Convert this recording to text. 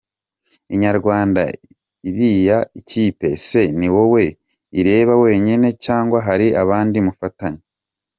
Inyarwanda: Iriya kipe se ni wowe ireba wenyine cyangwa hari abandi mufatanya?.